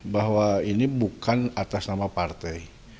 bahwa ini bukan atas nama partai